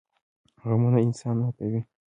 غمونه انسان ماتوي